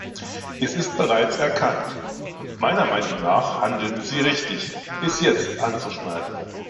Es ist bereits erkannt, und meiner Meinung nach handeln Sie richtig, es jetzt anzuschneiden.